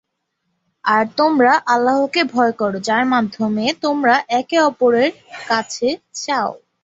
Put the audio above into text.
আর তোমরা আল্লাহকে ভয় কর, যার মাধ্যমে তোমরা একে অপরের কাছে চাও।